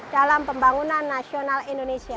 dalam pembangunan nasional indonesia